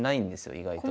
意外と。